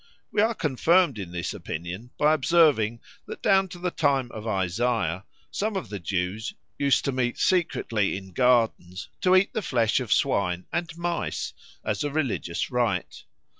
We are confirmed in this opinion by observing that down to the time of Isaiah some of the Jews used to meet secretly in gardens to eat the flesh of swine and mice as a religious rite.